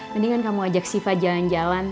mendingan kamu ajak siva jalan jalan